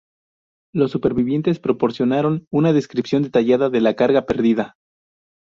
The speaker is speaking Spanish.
Los supervivientes proporcionaron una descripción detallada de la carga perdida.